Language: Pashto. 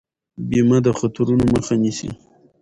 بیمه د خطرونو مخه نیسي.